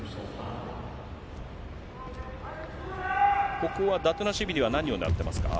ここはダトゥナシュビリは何をねらってますか。